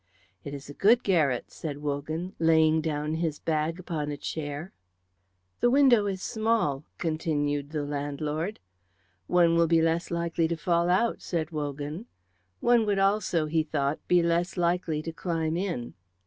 "It is a good garret," said Wogan, laying down his bag upon a chair. "The window is small," continued the landlord. "One will be less likely to fall out," said Wogan. One would also, he thought, be less likely to climb in.